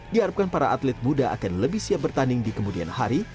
diharapkan para atlet muda akan lebih siap bertanding di kemudian hari